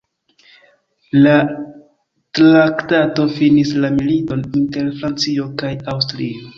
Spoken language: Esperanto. La traktato finis la militon inter Francio kaj Aŭstrio.